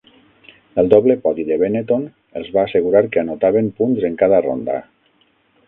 El doble podi de Benetton els va assegurar que anotaven punts en cada ronda.